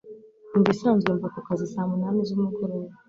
Mubisanzwe mva kukazi nka saa munani z'umugoroba.